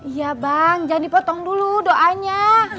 iya bang jangan dipotong dulu doanya